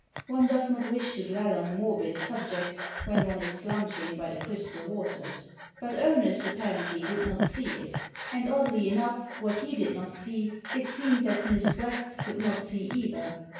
One does not wish to dwell on morbid sub jects when one is lunching by the crystal waters; but Ernest, apparently, did not see it; and, oddly enough, what he did not see, it seemed that Miss West could not see either.